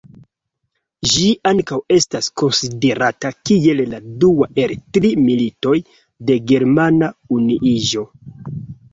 Ĝi ankaŭ estas konsiderata kiel la dua el tri Militoj de Germana Unuiĝo.